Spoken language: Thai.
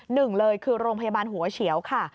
หนึ่งเลยคือโรงพยาบาลหัวเฉียวค่ะ